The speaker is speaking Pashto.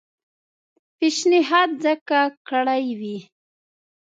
پېشنهاد ځکه کړی وي.